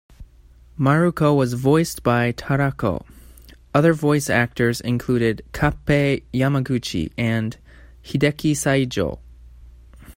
Maruko was voiced by Tarako; other voice actors included Kappei Yamaguchi and Hideki Saijo.